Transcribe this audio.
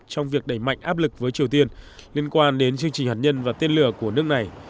trong việc đẩy mạnh áp lực với triều tiên liên quan đến chương trình hạt nhân và tên lửa của nước này